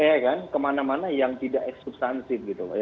iya kan kemana mana yang tidak eksubstansif gitu